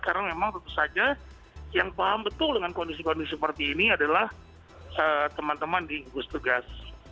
karena memang tentu saja yang paham betul dengan kondisi kondisi seperti ini adalah teman teman di kebus tugas